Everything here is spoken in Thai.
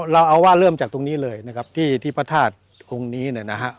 เราเอาว่าเริ่มจากตรงนี้เลยนะครับที่พระธาตุองค์นี้เนี่ยนะฮะ